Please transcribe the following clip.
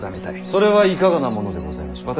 それはいかがなものでございましょう。